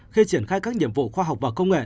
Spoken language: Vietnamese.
khi triển khai các nhiệm vụ khoa học và công nghệ